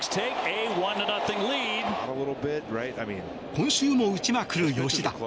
今週も打ちまくる吉田。